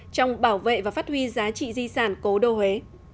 trong bảo vệ và phát huy giá trị di sản cố đô huế